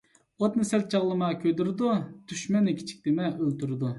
ئوتنى سەل چاغلىما، كۆيدۈرىدۇ، دۈشمەننى كىچىك دىمە، ئۆلتۈرىدۇ.